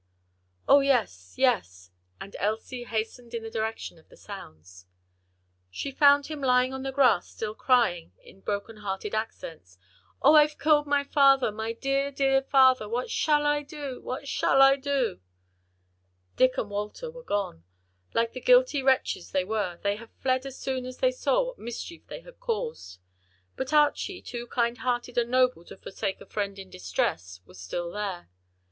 "O, yes, yes!" and Elsie hastened in the direction of the sounds. She found him lying on the grass still crying in heart broken accents, "Oh, I've killed my father, my dear, dear father! what shall I do! what shall I do!" Dick and Walter were gone; like the guilty wretches they were, they had fled as soon as they saw what mischief they had caused. But Archie too kind hearted and noble to forsake a friend in distress, was still there.